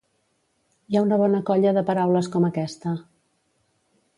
Hi ha una una bona colla de paraules com aquesta.